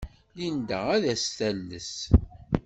Linda ad as-tales.